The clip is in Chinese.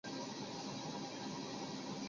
台湾由青文出版社代理出版漫画单行本。